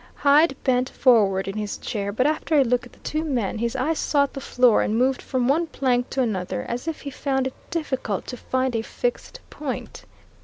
Hyde bent forward in his chair, but after a look at the two men, his eyes sought the floor and moved from one plank to another as if he found it difficult to find a fixed point.